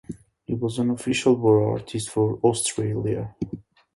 He was an Official War Artist for Australia.